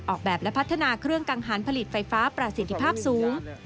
ออกแบบและพัฒนาเครื่องกังหารผลิตไฟฟ้าประสิทธิภาพสูง